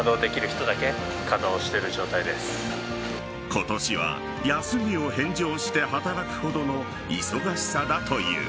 今年は休みを返上して働くほどの忙しさだという。